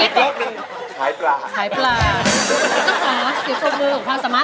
อีกล็อกหนึ่งพลายปลา